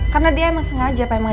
karena dia emang sengaja